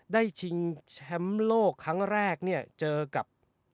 ชิงแชมป์โลกครั้งแรกเนี่ยเจอกับ